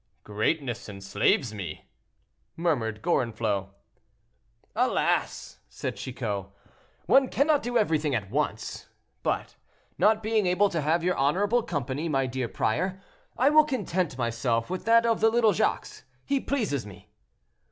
"Greatness enslaves me," murmured Gorenflot. "Alas!" said Chicot, "one cannot do everything at once. But not being able to have your honorable company, my dear prior, I will content myself with that of the little Jacques; he pleases me."